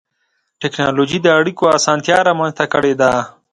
ټکنالوجي د اړیکو اسانتیا رامنځته کړې ده.